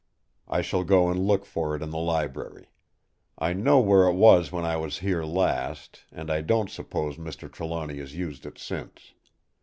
I shall go and look for it in the library. I know where it was when I was here last; and I don't suppose Mr. Trelawny has used it since.